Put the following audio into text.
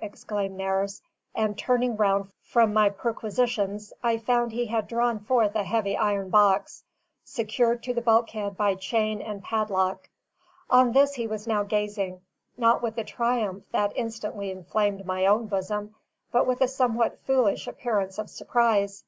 exclaimed Nares, and turning round from my perquisitions, I found he had drawn forth a heavy iron box, secured to the bulkhead by chain and padlock. On this he was now gazing, not with the triumph that instantly inflamed my own bosom, but with a somewhat foolish appearance of surprise.